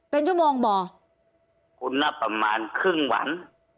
เป็นชั่วโมงบ่อคุณน่ะประมาณครึ่งวัน